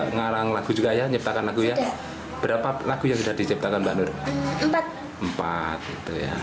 ngarang lagu juga ya nyetakan lagu ya berapa lagu yang sudah diciptakan bandur empat empat